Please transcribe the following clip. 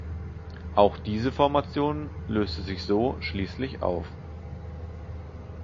Auch diese Formation löste sich so schließlich auf.